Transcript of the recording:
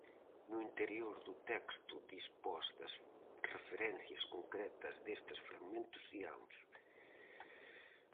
No interior do texto dispós das referencias concretas destes fragmentos de audio.